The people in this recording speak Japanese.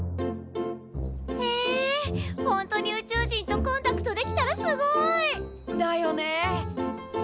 へえほんとに宇宙人とコンタクトできたらすごい！だよね！